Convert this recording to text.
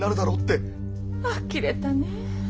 あきれたねえ。